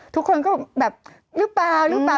ทุกคนก็แบบหรือเปล่าหรือเปล่า